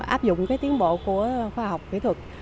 áp dụng tiến bộ của khoa học kỹ thuật